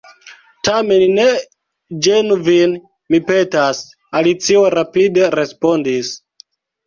"Tamen ne ĝenu vin, mi petas," Alicio rapide respondis.